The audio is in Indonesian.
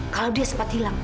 kalau dia sempat hilang